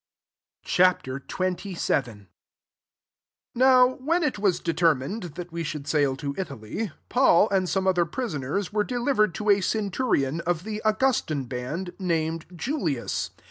'* Ch. XXVII. 1 NOW when It was determined that wc dibuld sail to Italy, Paul and some other prisoners were de liFcred to a centurion of the Augustan band, named Julius.